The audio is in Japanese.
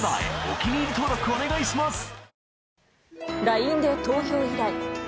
お気に入り登録お願いします